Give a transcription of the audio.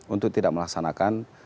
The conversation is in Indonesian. untuk tidak melaksanakan